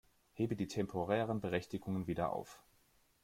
Hebe die temporären Berechtigungen wieder auf.